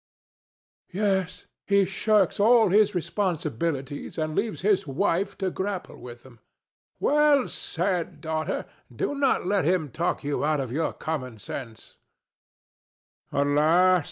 Yes: he shirks all his responsibilities, and leaves his wife to grapple with them. THE STATUE. Well said, daughter. Do not let him talk you out of your common sense. THE DEVIL. Alas!